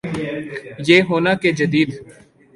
یا ہونا کہ جدید